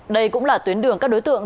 đây cũng là tuyến đường các đối tượng